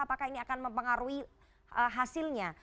apakah ini akan mempengaruhi hasilnya